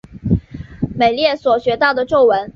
美列所学到的咒文。